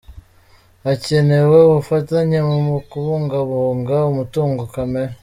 Hakenewe ubufatanye mu kubungabunga umutungo kamere